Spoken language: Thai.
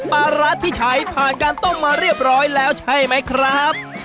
ปลาร้าที่ใช้ผ่านการต้มมาเรียบร้อยแล้วใช่ไหมครับ